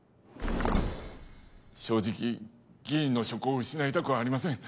正直議員の職を失いたくはありません。